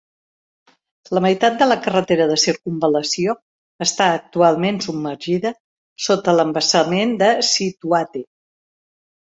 La meitat de la carretera de circumval·lació està actualment submergida sota l'embassament de Scituate.